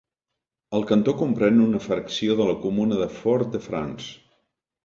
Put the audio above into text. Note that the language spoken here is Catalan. El cantó comprèn una fracció de la comuna de Fort-de-France.